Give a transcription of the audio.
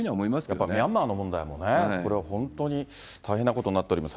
あとミャンマーの問題もね、これは本当に大変なことになっておりますが。